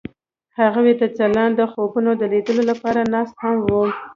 هغوی د ځلانده خوبونو د لیدلو لپاره ناست هم وو.